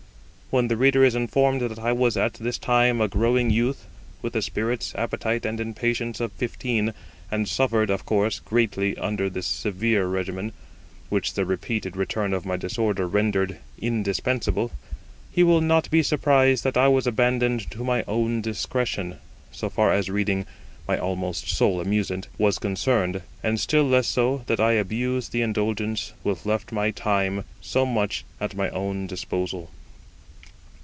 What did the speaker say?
When the reader is informed that I was at this time a growing youth, with the spirits, appetite, and impatience of fifteen, and suffered, of course, greatly under this severe regimen, which the repeated return of my disorder rendered indispensable, he will not be surprised that I was abandoned to my own discretion, so far as reading (my almost sole amusement) was concerned, and still less so, that I abused the indulgence which left my time so much at my own disposal.